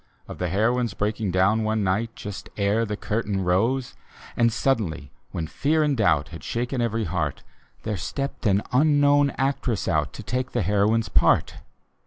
Of the heroine's breaking down one n^ht Just ere the curtain rose. D,gt,, erihyGOOgle A Legend And suddenly, when fear and doubt Had shaken every heart, TTiere stepped an unknown actress out, To take the heroine's part.